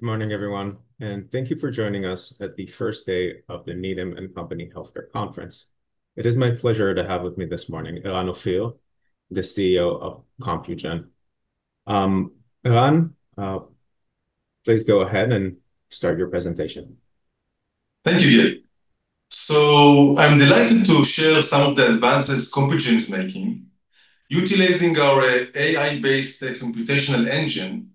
Morning, everyone. Thank you for joining us at the first day of the Needham & Company Healthcare Conference. It is my pleasure to have with me this morning Eran Ophir, the CEO of Compugen. Eran, please go ahead and start your presentation. Thank you, Gil. I'm delighted to share some of the advances Compugen's making, utilizing our AI-based computational engine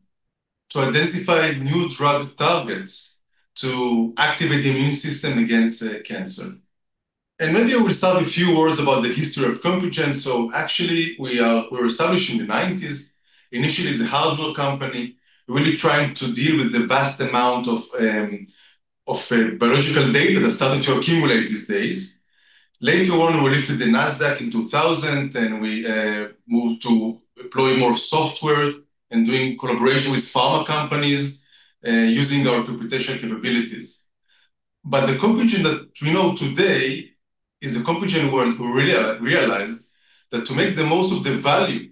to identify new drug targets to activate the immune system against cancer. Maybe I will start with a few words about the history of Compugen. Actually, we were established in the 1990s, initially as a hardware company, really trying to deal with the vast amount of biological data that started to accumulate these days. Later on, we listed in Nasdaq in 2000, and we moved to deploy more software and doing collaboration with pharma companies using our computational capabilities. But the Compugen is a Compugen where we realized that to make the most of the value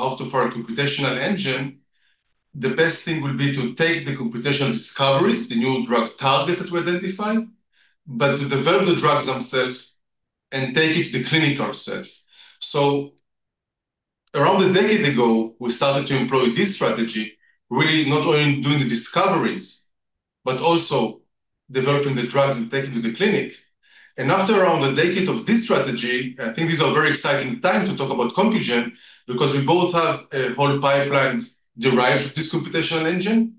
out of our computational engine, the best thing would be to take the computational discoveries, the new drug targets that we identify, but to develop the drugs themselves and take it to the clinic ourself. Around a decade ago, we started to employ this strategy, really not only doing the discoveries, but also developing the drugs and taking to the clinic. After around a decade of this strategy, I think this is a very exciting time to talk about Compugen because we both have a whole pipeline derived from this computational engine,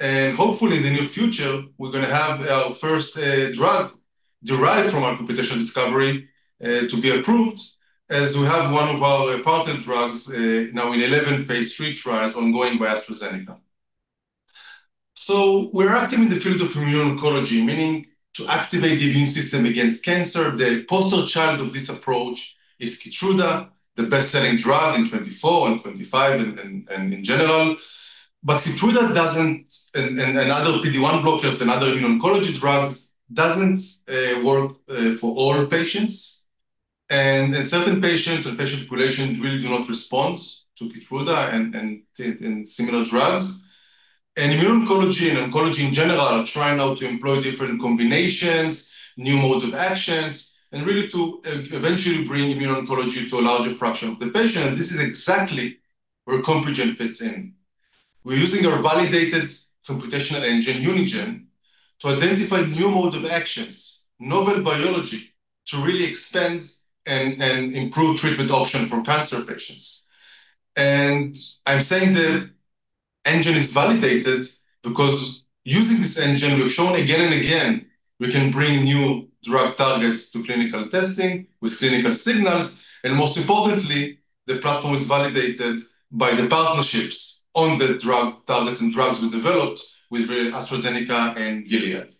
and hopefully in the near future, we're going to have our first drug derived from our computational discovery to be approved, as we have one of our important drugs now in 11 phase III trials ongoing by AstraZeneca. We're active in the field of immune oncology, meaning to activate the immune system against cancer. The poster child of this approach is Keytruda, the best-selling drug in 2024 and 2025, and in general. Keytruda doesn't, and other PD-1 blockers and other immune oncology drugs, doesn't work for all patients. Certain patients and patient populations really do not respond to Keytruda and similar drugs. Immune oncology and oncology, in general, are trying now to employ different combinations, new mode of actions, and really to eventually bring immune oncology to a larger fraction of the patient. This is exactly where Compugen fits in. We're using our validated computational engine, Unigen, to identify new mode of actions, novel biology, to really expand and improve treatment option for cancer patients. I'm saying the engine is validated because using this engine, we've shown again and again, we can bring new drug targets to clinical testing with clinical signals, and most importantly, the platform is validated by the partnerships on the drug targets and drugs we developed with AstraZeneca and Gilead.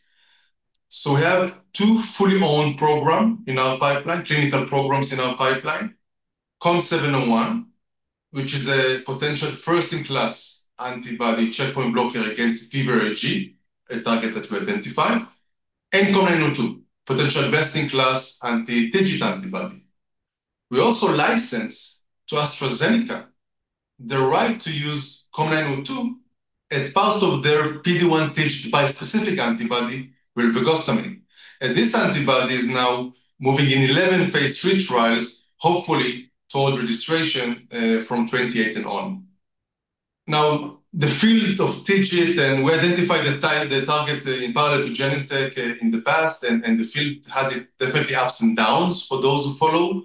We have two fully owned program in our pipeline, clinical programs in our pipeline. COM701, which is a potential first-in-class antibody checkpoint blocker against PVRIG, a target that we identified, and COM902, potential best-in-class anti-TIGIT antibody. We also licensed to AstraZeneca the right to use COM902 as part of their PD-1/TIGIT bispecific antibody, rilvegostomig. This antibody is now moving in 11 phase III trials, hopefully toward registration from 2028 and on. Now, the field of TIGIT, and we identified the target in parallel to Genentech in the past, and the field has it definitely ups and downs for those who follow.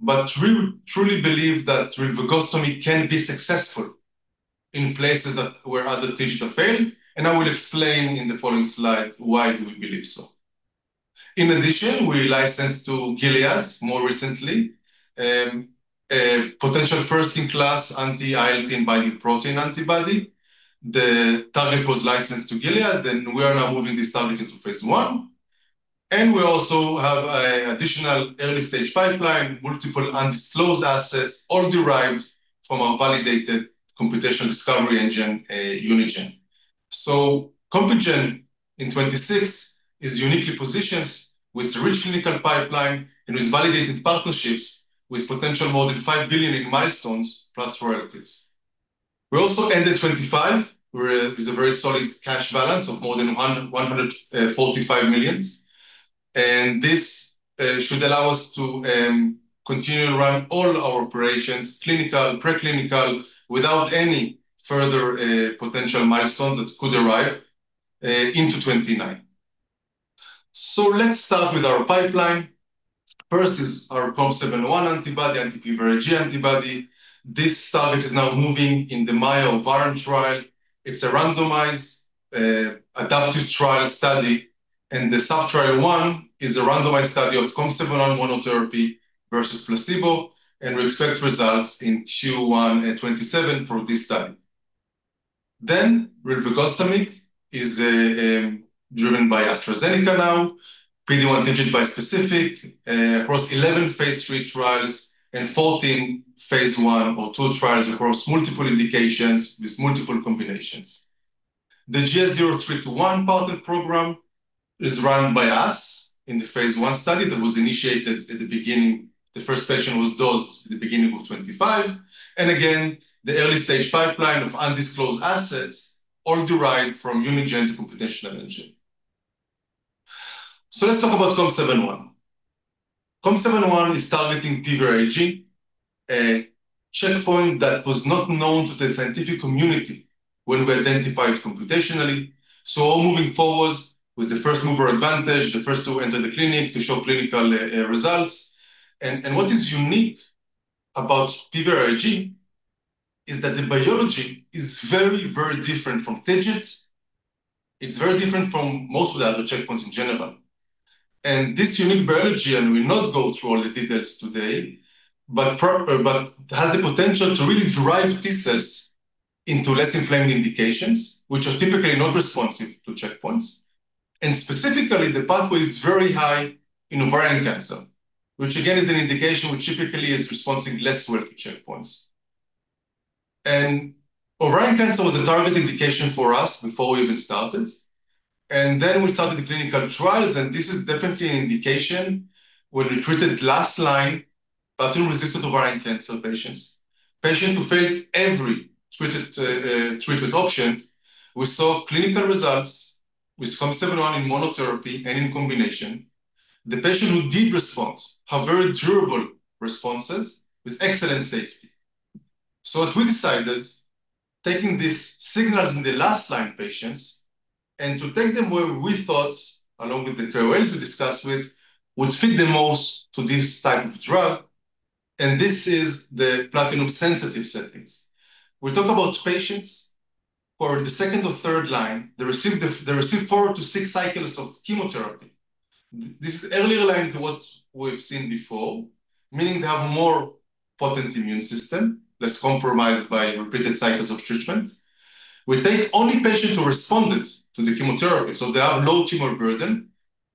We truly believe that rilvegostomig can be successful in places where other TIGIT have failed, and I will explain in the following slide why do we believe so. In addition, we licensed to Gilead more recently, a potential first-in-class anti-IL-18 binding protein antibody. The target was licensed to Gilead, and we are now moving this target into phase I. We also have additional early-stage pipeline, multiple undisclosed assets, all derived from our validated computational discovery engine, Unigen. Compugen in 2026 is uniquely positioned with rich clinical pipeline and with validated partnerships with potential more than $5 billion in milestones plus royalties. We also ended 2025 with a very solid cash balance of more than $145 million, and this should allow us to continue to run all our operations, clinical, pre-clinical, without any further potential milestones that could arrive into 2029. Let's start with our pipeline. First is our COM701 antibody, anti-PVRIG antibody. This target is now moving in the MAIA-OV trial. It's a randomized adaptive trial study, and the subtrial one is a randomized study of COM701 monotherapy versus placebo, and we expect results in Q1 2027 for this study. Rilvegostomig is driven by AstraZeneca now, PD-1 TIGIT bispecific across 11 phase III trials and 14 phase I or II trials across multiple indications with multiple combinations. The GS-0321 partner program is run by us in the phase I study that was initiated at the beginning. The first patient was dosed at the beginning of 2025, and again, the early stage pipeline of undisclosed assets all derived from Unigen computational engine. Let's talk about COM701. COM701 is targeting PVRIG, a checkpoint that was not known to the scientific community when we identified computationally. Moving forward with the first-mover advantage, the first to enter the clinic to show clinical results. What is unique about PVRIG is that the biology is very, very different from TIGIT. It is very different from most of the other checkpoints in general. This unique biology, and we'll not go through all the details today, has the potential to really drive T cells into less inflamed indications, which are typically not responsive to checkpoints. Specifically, the pathway is very high in ovarian cancer, which again, is an indication which typically is responsive less well to checkpoints. Ovarian cancer was a target indication for us before we even started. We started the clinical trials, and this is definitely an indication where we treated last-line platinum-resistant ovarian cancer patients who failed every treatment option. We saw clinical results with COM701 in monotherapy and in combination. The patients who did respond have very durable responses with excellent safety. What we decided, taking these signals in the last-line patients and to take them where we thought, along with the KOLs we discussed with, would fit the most to this type of drug. This is the platinum-sensitive settings. We talk about patients who are the second or third line. They received four to six cycles of chemotherapy. This early line to what we've seen before, meaning they have a more potent immune system, less compromised by repeated cycles of treatment. We take only patients who responded to the chemotherapy, so they have low tumor burden.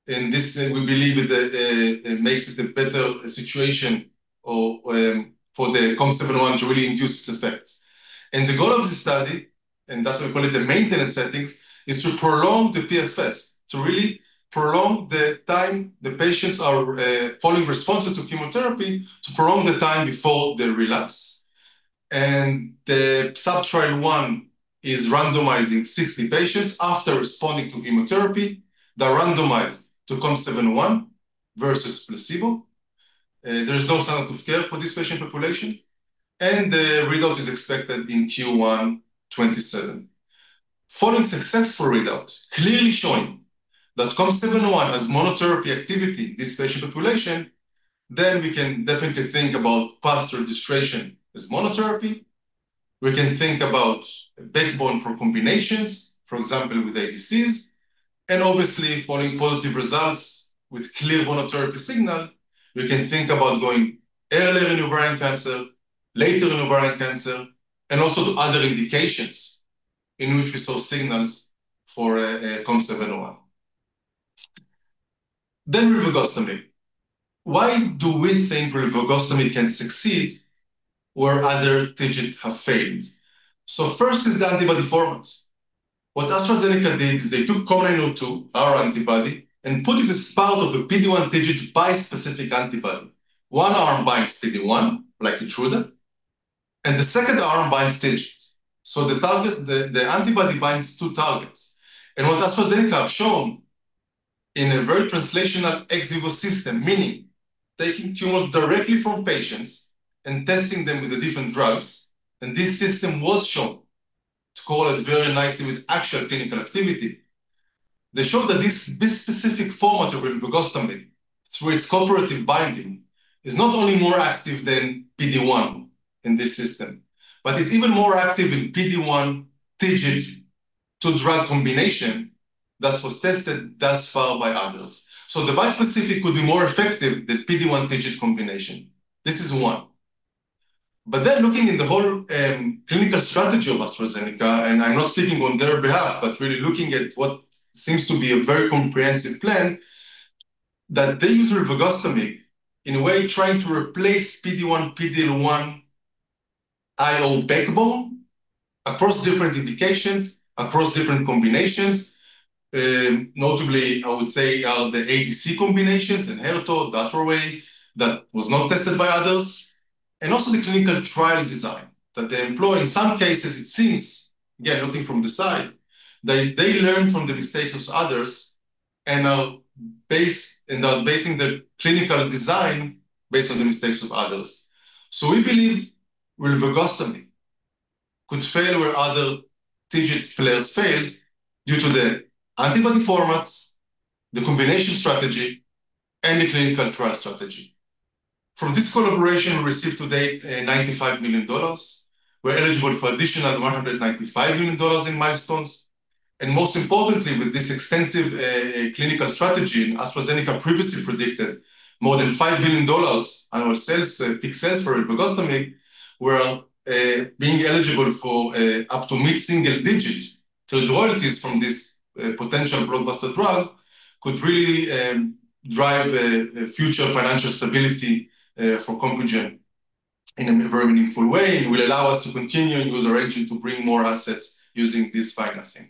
This, we believe, makes it a better situation for the COM701 to really induce its effects. The goal of this study, and that's why we call it the maintenance settings, is to prolong the PFS, to really prolong the time the patients are following responses to chemotherapy, to prolong the time before they relapse. The subtrial one is randomizing 60 patients after responding to chemotherapy. They're randomized to COM701 versus placebo. There is no standard of care for this patient population, and the readout is expected in Q1 2027. Following successful readout, clearly showing that COM701 has monotherapy activity in this patient population, then we can definitely think about path to registration as monotherapy. We can think about a backbone for combinations, for example, with ADCs. Obviously, following positive results with clear monotherapy signal, we can think about going earlier in ovarian cancer, later in ovarian cancer, and also to other indications in which we saw signals for COM701. Rilvegostomig. Why do we think rilvegostomig can succeed where other TIGIT have failed? First is the antibody format. What AstraZeneca did is they took COM902, our antibody, and put it as part of a PD-1/TIGIT bispecific antibody. One arm binds PD-1, like Pembrolizumablizumablizumab, and the second arm binds TIGIT. The antibody binds two targets. What AstraZeneca have shown in a very translational ex vivo system, meaning taking tumors directly from patients and testing them with the different drugs, and this system was shown to correlate very nicely with actual clinical activity. They showed that this bispecific format of rilvegostomig, through its cooperative binding, is not only more active than PD-1 in this system, but it's even more active than PD-1/TIGIT two-drug combination that was tested thus far by others. The bispecific could be more effective than PD-1/TIGIT combination. This is one. Looking in the whole clinical strategy of AstraZeneca, and I'm not speaking on their behalf, but really looking at what seems to be a very comprehensive plan, they use rilvegostomig in a way trying to replace PD-1, PD-L1 IO backbone across different indications, across different combinations. Notably, I would say, the ADC combinations, Enhertu, Dato-DXd, that was not tested by others. Also the clinical trial design that they employ, in some cases, it seems, again, looking from the side, they learn from the mistakes of others and are basing the clinical design based on the mistakes of others. We believe rilvegostomig could succeed where other TIGIT players failed due to the antibody formats, the combination strategy, and the clinical trial strategy. From this collaboration, we received to date $95 million. We're eligible for additional $195 million in milestones. Most importantly, with this extensive clinical strategy, AstraZeneca previously predicted more than $5 billion on our peak sales for rilvegostomig. Being eligible for up to mid-single digits to royalties from this potential blockbuster drug could really drive future financial stability for Compugen in a very meaningful way and will allow us to continue and use our engine to bring more assets using this financing.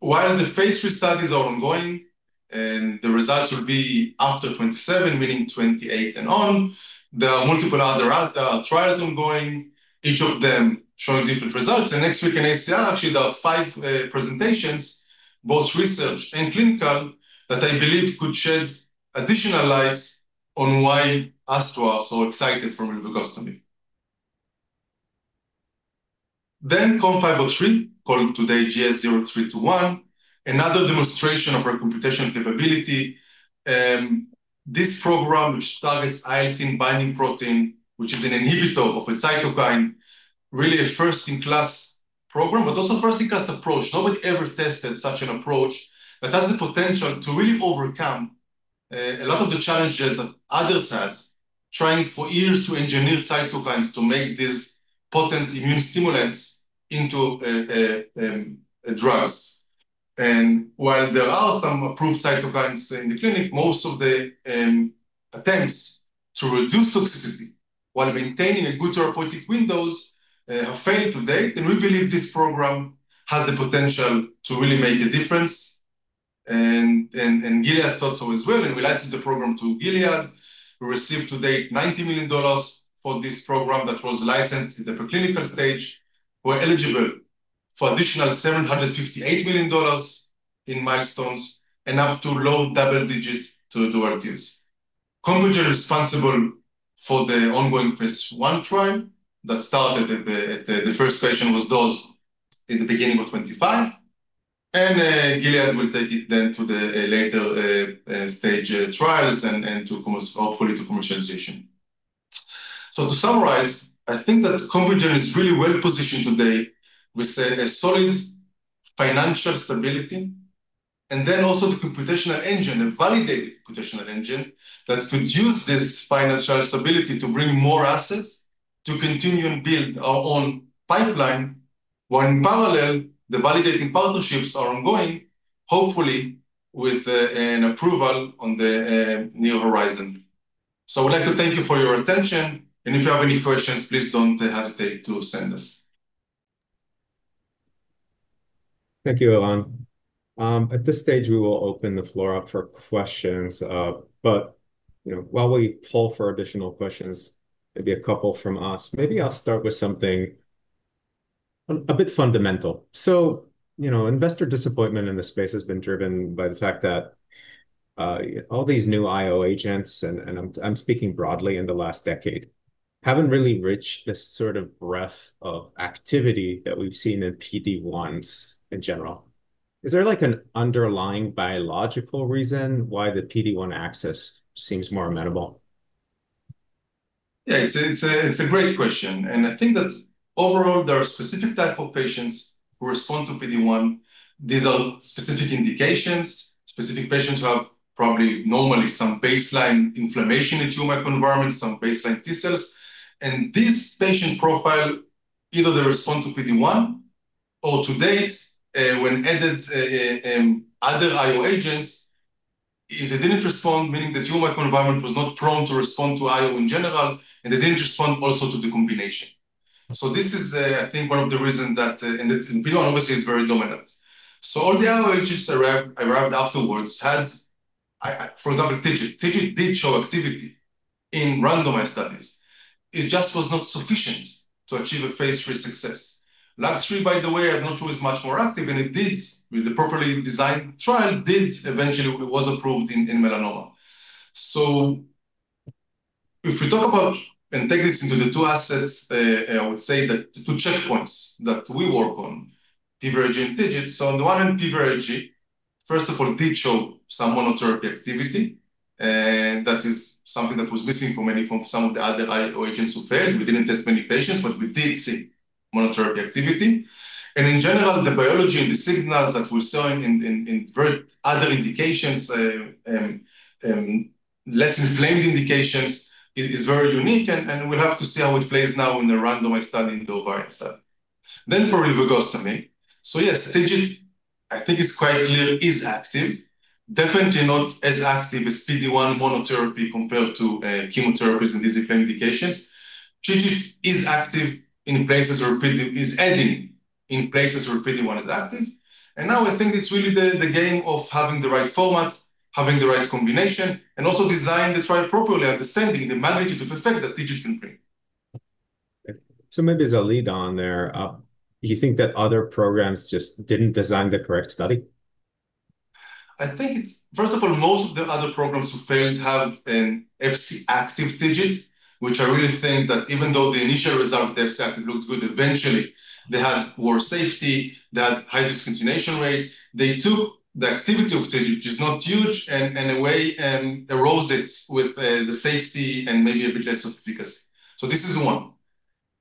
While the phase III studies are ongoing, and the results will be after 2027, meaning 2028 and on, there are multiple other trials ongoing, each of them showing different results. Next week in AACR, actually, there are five presentations, both research and clinical, that I believe could shed additional light on why us too are so excited for rilvegostomig. COM503, called today GS-0321, another demonstration of our computation capability. This program, which targets IL-18 binding protein, which is an inhibitor of a cytokine, really a first-in-class program, but also first-in-class approach. Nobody ever tested such an approach that has the potential to really overcome a lot of the challenges that others had, trying for years to engineer cytokines to make these potent immune stimulants into drugs. While there are some approved cytokines in the clinic, most of the attempts to reduce toxicity while maintaining a good therapeutic window have failed to date, and we believe this program has the potential to really make a difference. Gilead thought so as well, and we licensed the program to Gilead, we received to date $90 million for this program that was licensed at the preclinical stage. We're eligible for additional $758 million in milestones and up to low double digits to royalties. Compugen is responsible for the ongoing phase I trial that started. The first patient was dosed in the beginning of 2025, and Gilead will take it then to the later-stage trials and hopefully to commercialization. To summarize, I think that Compugen is really well-positioned today with a solid financial stability and then also the computational engine, a validated computational engine that could use this financial stability to bring more assets to continue and build our own pipeline, while in parallel, the validating partnerships are ongoing, hopefully with an approval on the near horizon. I would like to thank you for your attention, and if you have any questions, please don't hesitate to send us. Thank you, Eran. At this stage, we will open the floor up for questions, but while we poll for additional questions, maybe a couple from us. Maybe I'll start with something a bit fundamental. Investor disappointment in this space has been driven by the fact that all these new IO agents, and I'm speaking broadly in the last decade, haven't really reached this sort of breadth of activity that we've seen in PD-1s in general. Is there an underlying biological reason why the PD-1 axis seems more amenable? Yeah. It's a great question, and I think that overall, there are specific types of patients who respond to PD-1. These are specific indications, specific patients who have probably normally some baseline inflammation in tumor microenvironment, some baseline T cells. This patient profile, either they respond to PD-1 or to date, when added other IO agents, if they didn't respond, meaning the tumor microenvironment was not prone to respond to IO in general, and they didn't respond also to the combination. This is, I think, one of the reasons that PD-1 obviously is very dominant. All the IO agents that arrived afterwards had, for example, TIGIT. TIGIT did show activity in randomized studies. It just was not sufficient to achieve a phase III success. LAG-3, by the way, I've no choice, much more active, and it did, with a properly designed trial, eventually, it was approved in melanoma. If we talk about and take this into the two assets, I would say that the two checkpoints that we work on, PVRIG and TIGIT. On the one hand, PVRIG, first of all, did show some monotherapy activity. That is something that was missing for many, from some of the other IO agents who failed. We didn't test many patients, but we did see monotherapy activity. In general, the biology and the signals that we're seeing in various other indications, less inflamed indications, is very unique, and we'll have to see how it plays now in a randomized study, in the MAIA-OV study. For rilvegostomig, yes, TIGIT, I think it's quite clear, is active. Definitely not as active as PD-1 monotherapy compared to chemotherapies in these inflamed indications. TIGIT is active in places where PD-1 is active. Now I think it's really the game of having the right format, having the right combination, and also designing the trial properly, understanding the magnitude of effect that TIGIT can bring. Maybe as a lead on there, do you think that other programs just didn't design the correct study? I think it's, first of all, most of the other programs who failed have an Fc-active TIGIT, which I really think that even though the initial result of the Fc-active looked good, eventually they had worse safety, that high discontinuation rate. They took the activity of TIGIT, which is not huge, and in a way, eroded it with the safety and maybe a bit less of efficacy. This is one.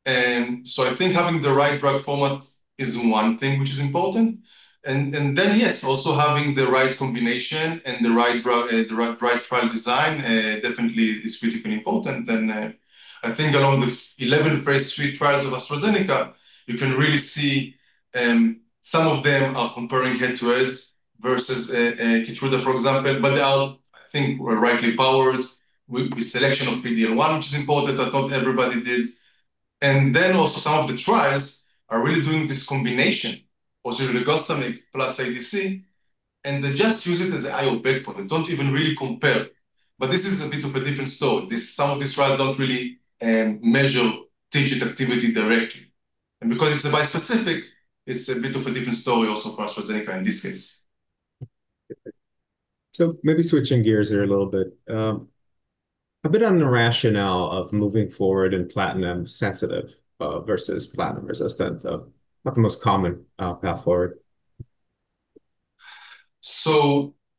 I think having the right drug format is one thing which is important. Yes, also having the right combination and the right trial design, definitely is critically important. I think along the 11 phase III trials of AstraZeneca, you can really see, and some of them are comparing head-to-head versus Keytruda, for example. They, I think, were rightly powered with selection of PD-L1, which is important, that not everybody did. Also some of the trials are really doing this combination, also with the rilvegostomig plus ADC, and they just use it as an IO backbone. They don't even really compare. This is a bit of a different story. Some of these trials don't really measure TIGIT activity directly. Because it's a bispecific, it's a bit of a different story also for AstraZeneca in this case. Maybe switching gears here a little bit, a bit on the rationale of moving forward in platinum-sensitive versus platinum-resistant, not the most common path forward.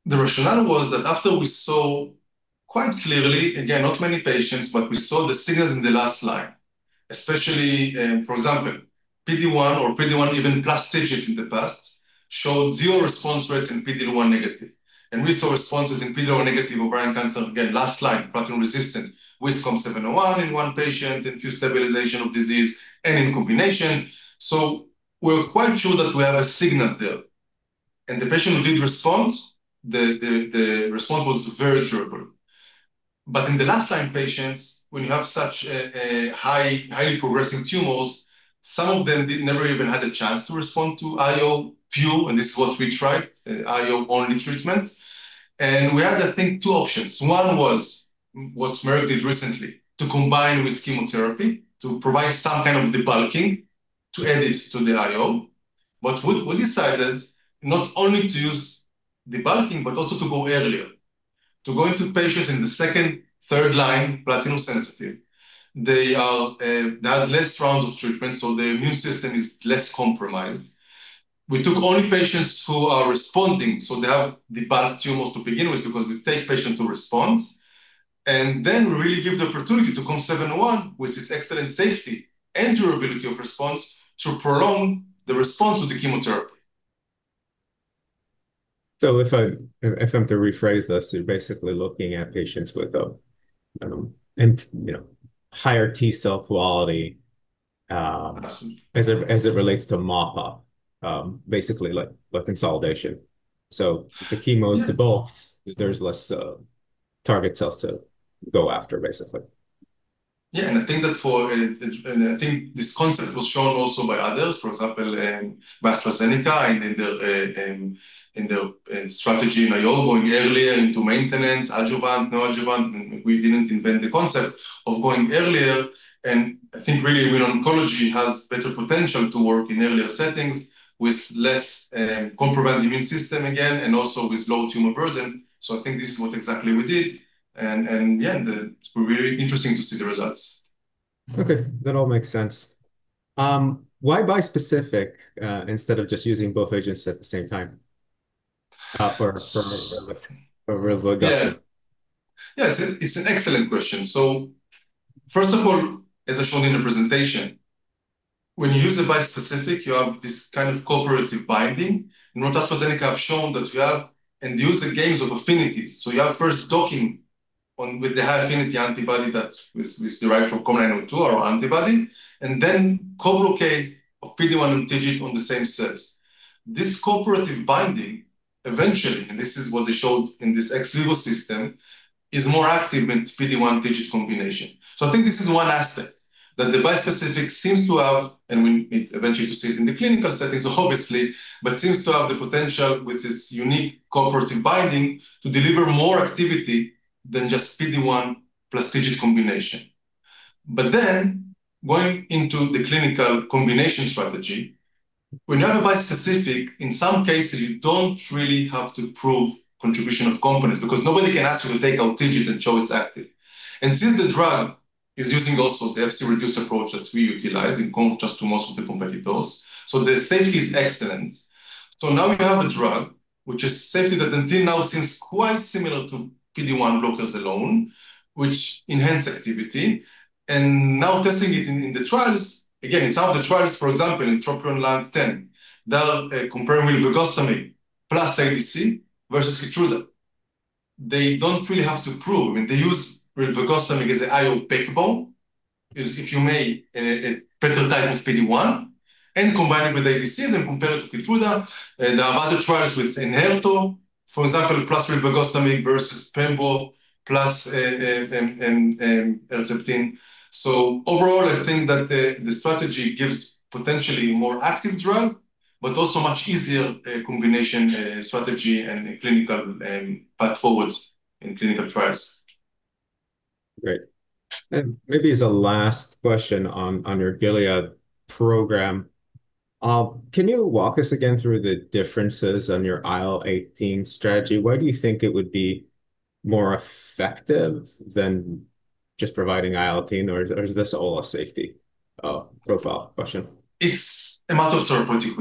The rationale was that after we saw quite clearly, again, not many patients, but we saw the signals in the last line, especially, for example, PD-1 or PD-1 even plus TIGIT in the past showed zero response rates in PD-L1 negative. We saw responses in PD-L1 negative ovarian cancer, again, last line, platinum resistant with COM701 in one patient and two stabilization of disease and in combination. We're quite sure that we have a signal there. The patient who did respond, the response was very durable. In the last line patients, when you have such highly progressing tumors, some of them never even had a chance to respond to IO, few, and this is what we tried, IO-only treatment. We had, I think, two options. One was what Merck did recently, to combine with chemotherapy to provide some kind of debulking to add it to the IO. We decided not only to use debulking, but also to go earlier, to go into patients in the second, third line, platinum-sensitive. They had less rounds of treatment, so their immune system is less compromised. We took only patients who are responding, so they have debulked tumors to begin with because we take patients to respond. We really give the opportunity to COM701, with its excellent safety and durability of response, to prolong the response with the chemotherapy. If I'm to rephrase this, you're basically looking at patients with a higher T cell quality. Absolutely As it relates to MoA, basically like consolidation. Yeah Debulk, there's less target cells to go after, basically. Yeah, I think this concept was shown also by others, for example, by AstraZeneca in their strategy in IO, going earlier into maintenance, adjuvant, neoadjuvant. We didn't invent the concept of going earlier, and I think really immuno-oncology has better potential to work in earlier settings with less compromised immune system, again, and also with low tumor burden. I think this is what exactly we did. Yeah, it's very interesting to see the results. Okay, that all makes sense. Why bispecific, instead of just using both agents at the same time for rilvegostomig? Yeah, it's an excellent question. First of all, as I showed in the presentation, when you use a bispecific, you have this kind of cooperative binding. What AstraZeneca have shown that you have induced the gains of affinities, you are first docking with the high-affinity antibody that is derived from COM902, our antibody, and then co-locate of PD-1 and TIGIT on the same cells. This cooperative binding, eventually, and this is what they showed in this ex vivo system, is more active in PD-1/TIGIT combination. I think this is one aspect that the bispecific seems to have, and we need eventually to see it in the clinical setting, so obviously, but seems to have the potential with its unique cooperative binding to deliver more activity than just PD-1 plus TIGIT combination. Going into the clinical combination strategy, when you have a bispecific, in some cases, you don't really have to prove contribution of components because nobody can ask you to take out TIGIT and show it's active. Since the drug is using also the Fc-reduced approach that we utilize in contrast to most of the competitors, so the safety is excellent. Now you have a drug which is safety that until now seems quite similar to PD-1 blockers alone, which enhance activity. Now testing it in the trials, again, in some of the trials, for example, in TROPION-Lung10, they are comparing with rilvegostomig plus ADC versus Keytruda. They don't really have to prove. I mean, they use rilvegostomig as a IO backbone, if you may, a better type of PD-1, and combine it with ADCs and compare it to Keytruda. There are other trials with Enhertu, for example, plus rilvegostomig versus Pembrolizumablizumab plus IL-18. Overall, I think that the strategy gives potentially more active drug, but also much easier combination strategy and clinical path forward in clinical trials. Great. Maybe as a last question on your Gilead program, can you walk us again through the differences on your IL-18 strategy? Why do you think it would be more effective than just providing IL-18 or is this all a safety profile question? It's a matter of therapeutic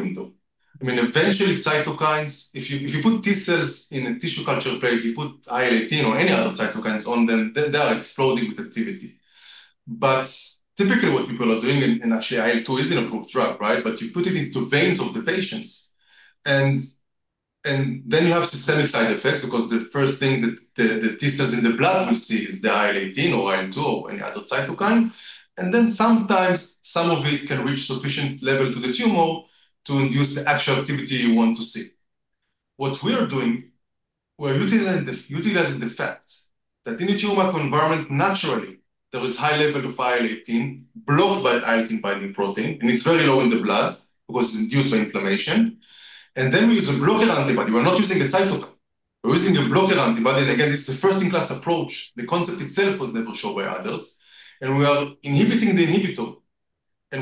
window. I mean, eventually cytokines, if you put T cells in a tissue culture plate, you put IL-18 or any other cytokines on them, they are exploding with activity. Typically what people are doing, and actually IL-2 is an approved drug, right? You put it into veins of the patients and then you have systemic side effects because the first thing that the T cells in the blood will see is the IL-18 or IL-2 or any other cytokine. Sometimes some of it can reach sufficient level to the tumor to induce the actual activity you want to see. What we are doing, we're utilizing the fact that in a tumor microenvironment, naturally, there is high level of IL-18 blocked by IL-18 binding protein, and it's very low in the blood because it's induced by inflammation. We use a blocker antibody. We're not using a cytokine. We're using a blocker antibody. Again, this is a first-in-class approach. The concept itself was never shown by others. We are inhibiting the inhibitor.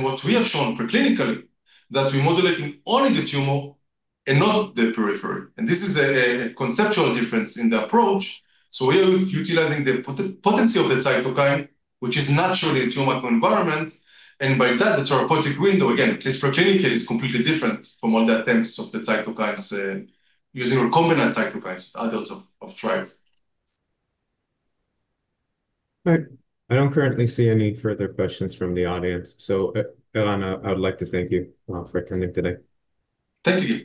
What we have shown pre-clinically, that we're modulating only the tumor and not the periphery. This is a conceptual difference in the approach. We are utilizing the potency of the cytokine, which is naturally a tumor microenvironment. By that, the therapeutic window, again, at least pre-clinically, is completely different from other attempts of the cytokines, using recombinant cytokines, others have tried. Right. I don't currently see any further questions from the audience. Eran, I would like to thank you for attending today. Thank you.